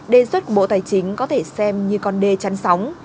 đề xuất của bộ tài chính có thể xem như con đê chắn sóng